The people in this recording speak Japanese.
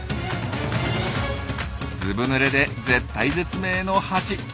ずぶぬれで絶体絶命のハチ。